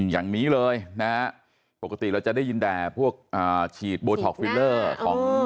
อย่างนี้เลยนะฮะปกติเราจะได้ยินแต่พวกฉีดโบท็อกฟิลเลอร์ของ